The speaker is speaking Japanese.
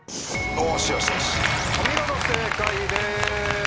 お見事正解です。